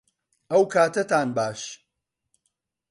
ئەوکاتەتان باش